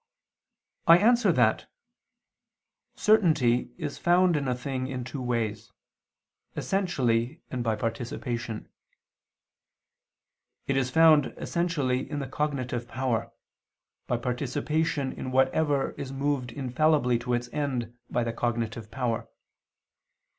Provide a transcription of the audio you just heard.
I answer that, Certainty is found in a thing in two ways, essentially and by participation. It is found essentially in the cognitive power; by participation in whatever is moved infallibly to its end by the cognitive power.